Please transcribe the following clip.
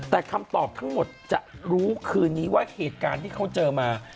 แต่คำตอบทั้งหมดจะรู้คืนนี้ว่าเหตุการณ์ที่เขาเจอมา